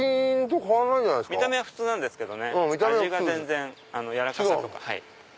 見た目は普通ですけど味が全然軟らかさとか。